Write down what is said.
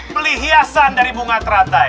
pilih hiasan dari bunga terantai